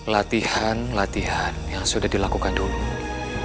latihan latihan yang sudah dilakukan dulu